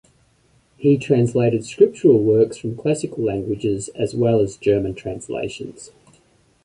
He translated scriptural works from classical languages, as well as German translations.